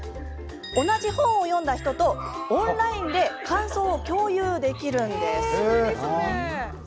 同じ本を読んだ人とオンラインで感想を共有できるんです。